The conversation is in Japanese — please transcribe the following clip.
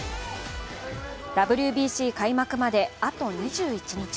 ＷＢＣ開幕まであと２１日。